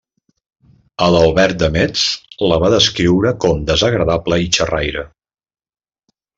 Adalbert de Metz la va descriure com desagradable i xerraire.